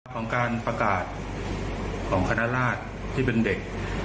ของการประกาศของคณะราชที่เป็นเด็ก